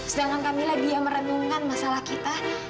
sedangkan kamilah dia merenungkan masalah kita